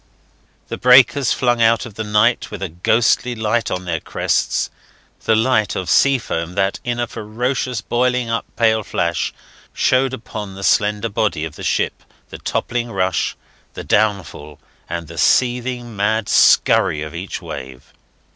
The breakers flung out of the night with a ghostly light on their crests the light of sea foam that in a ferocious, boiling up pale flash showed upon the slender body of the ship the toppling rush, the downfall, and the seething mad scurry of each wave.